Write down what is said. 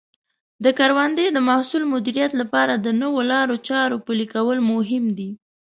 د کروندې د محصول مدیریت لپاره د نوو لارو چارو پلي کول مهم دي.